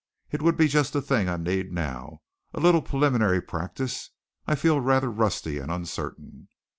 It would be just the thing I need now, a little preliminary practise. I feel rather rusty and uncertain."